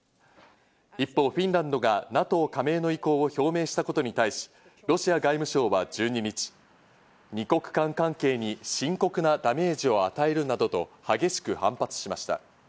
一方、フィンランドがＮＡＴＯ加盟の意向を表明したことに対し、ロシア外相は１２日、二国間関係に深刻なダメージを与えるなどと激しく反発しました。